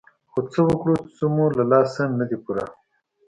خو څه وکړو څه مو له لاسه نه دي پوره.